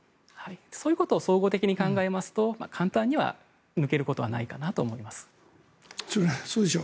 そういうことを総合的に考えますと簡単には抜けることはないかなと思います。